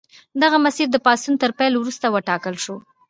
دغه مسیر د پاڅون تر پیل وروسته وټاکل شو.